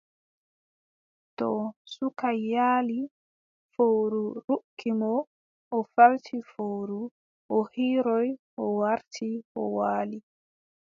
To suka yaali. Fowru ruggi mo. O farti fowru, o hiiroy, o warti, o waali.